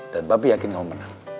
dan papi yakin kamu menang